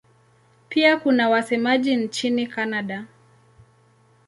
Pia kuna wasemaji nchini Kanada.